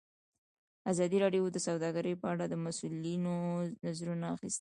ازادي راډیو د سوداګري په اړه د مسؤلینو نظرونه اخیستي.